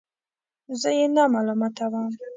زه یې نه ملامتوم.